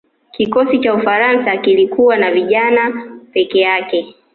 kikosi cha ufaransa kilikuwa na vijana peke yake